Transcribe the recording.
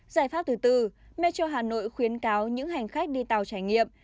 giải pháp thứ tư metro hà nội khuyến cáo những hành khách đi tàu trải nghiệm